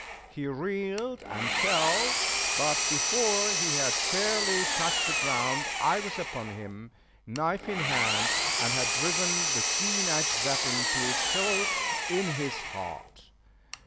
He reeled and fell, but before he had fairly touched the ground I was upon him, knife in hand, and had driven the keen edged weapon to its hilt in his heart.